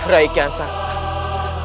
raimu kian santang